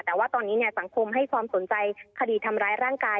แต่ว่าตอนนี้สังคมให้ความสนใจคดีทำร้ายร่างกาย